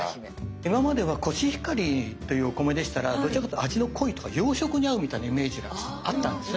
今まではコシヒカリというお米でしたらどちらかというと味の濃いとか洋食に合うみたいなイメージがあったんですよね。